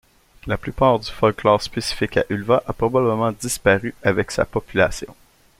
La plupart du folklore spécifique à Ulva a probablement disparu avec sa population.